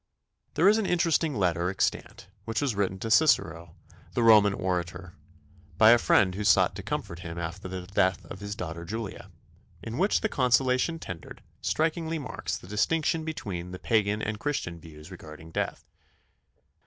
There is an interesting letter extant which was written to Cicero, the Roman orator, by a friend who sought to comfort him after the death of his daughter Julia, in which the consolation tendered strikingly marks the distinction between Pagan and Christian views regarding death.